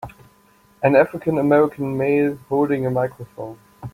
An African American male holding a microphone